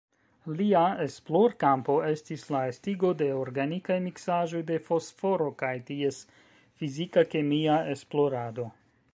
Lia esplorkampo estis la estigo de organikaj miksaĵoj de fosforo kaj ties fizika-kemia esplorado.